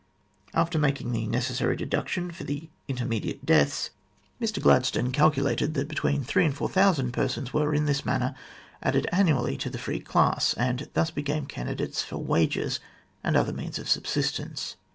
After making the necessary deduction for intermediate deaths, Mr Gladstone THE CONSTITUTION OF THE NEW COLONY 25 calculated that between three and four thousand persons were, in this manner, added annually to the free class, and thus became candidates for wages or other means of subsistence.